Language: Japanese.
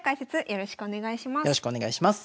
よろしくお願いします。